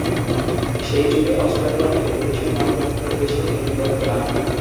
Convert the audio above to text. সেই যুগে Australian television নাটক খুব বেশি নির্মিত হত না।